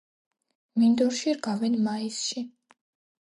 მინდორში რგავენ მაისში.